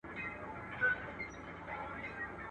له بدو څخه ښه زېږي، له ښو څخه واښه.